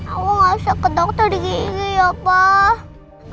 aku gak bisa ke dokter di gigi ya pak